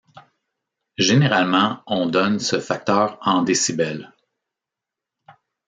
Généralement, on donne ce facteur en dB.